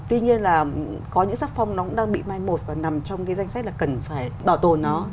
tuy nhiên là có những sắc phong nó cũng đang bị mai một và nằm trong cái danh sách là cần phải bảo tồn nó